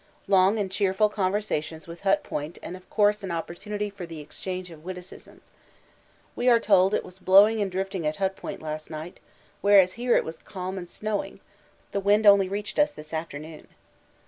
Long and cheerful conversations with Hut Point and of course an opportunity for the exchange of witticisms. We are told it was blowing and drifting at Hut Point last night, whereas here it was calm and snowing; the wind only reached us this afternoon.